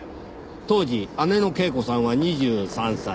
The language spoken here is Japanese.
当時姉の恵子さんは２３歳。